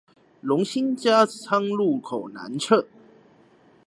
榮新加昌路口南側